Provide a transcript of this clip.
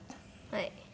はい。